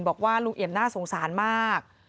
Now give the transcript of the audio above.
บอกว่าลุงเอี่ยมน่าสงสารมาก